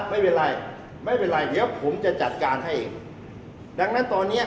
ไม่เป็นไรไม่เป็นไรเดี๋ยวผมจะจัดการให้ดังนั้นตอนเนี้ย